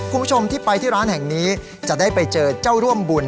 คุณผู้ชมที่ไปที่ร้านแห่งนี้จะได้ไปเจอเจ้าร่วมบุญ